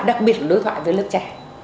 và đặc biệt là đối thoại với lớp trẻ